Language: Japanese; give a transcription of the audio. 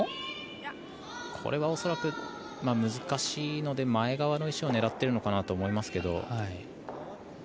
これは恐らく難しいので前側の石を狙っているのかなと思いますけど。